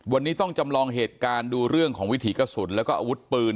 วันนี้ต้องจำลองเหตุการณ์ดูเรื่องของวิถีกระสุนแล้วก็อาวุธปืน